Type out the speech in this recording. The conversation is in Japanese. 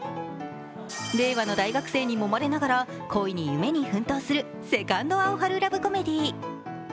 令和の大学生にもまれながら恋に奮闘するセカンド・アオハル・ラブコメディ。